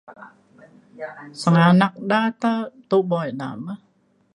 Senganak da ta tubo ina bah